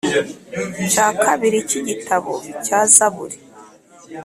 cya kabiri cy igitabo cya Zaburi